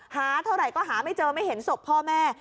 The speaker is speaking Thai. หาเท่าไหร่ก็หาไม่เจอไม่เห็นศพพ่อแม่